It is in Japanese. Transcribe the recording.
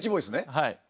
はい。